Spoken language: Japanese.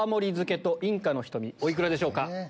お幾らでしょうか？